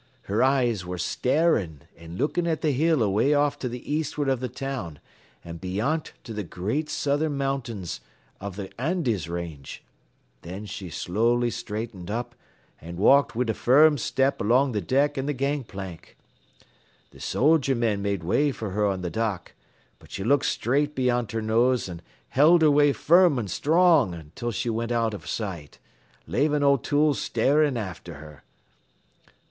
Her eyes ware starin' an' lookin' at th' hill away off t' th' eastward av th' town an' beyant to th' great southern mountings av th' Andes range. Thin she slowly straightened up an' walked wid a firm step along th' deck an' th' gang plank. "Th' soldier men made way for her on th' dock, but she looked straight beyant her nose an' held her way firm an' strong until she went out av sight, lavin' O'Toole starin' after her.